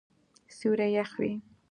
سیوری یخ وی